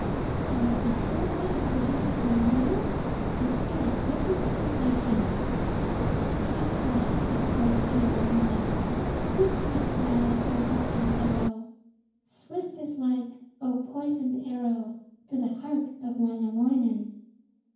And as he still waited for him to come nearer, he sang this incantation: 'Be elastic, bow string mine, swiftly fly, O oaken arrow, swift as light, O poisoned arrow, to the heart of Wainamoinen.